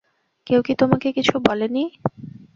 কেউ কি তোমাকে কিছু বলে নি?